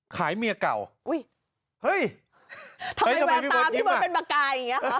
ขายเมียเก่าเฮ้ยทำไมแวะตามพี่เบิร์ดเป็นมะกายอย่างนี้ค่ะ